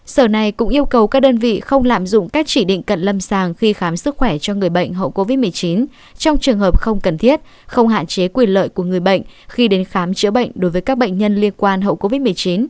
sở này cũng yêu cầu các đơn vị không lạm dụng các chỉ định cận lâm sàng khi khám sức khỏe cho người bệnh hậu covid một mươi chín trong trường hợp không cần thiết không hạn chế quyền lợi của người bệnh khi đến khám chữa bệnh đối với các bệnh nhân liên quan hậu covid một mươi chín